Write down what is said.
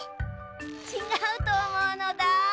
ちがうとおもうのだ。